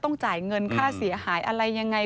ต้องจ่ายเงินค่าเสียหายอะไรอย่างไร